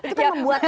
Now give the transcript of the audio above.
itu kan membuat